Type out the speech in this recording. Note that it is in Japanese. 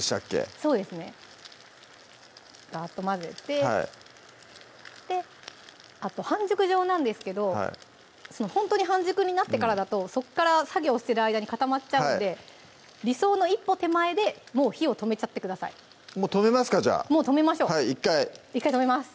そうですねガーッと混ぜてあと半熟状なんですけどほんとに半熟になってからだとそこから作業してる間に固まっちゃうんで理想の一歩手前でもう火を止めちゃってくださいもう止めますかじゃあもう止めましょう１回止めます